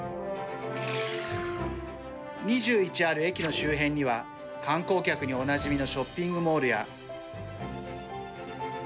２１ある駅の周辺には観光客におなじみのショッピングモールや。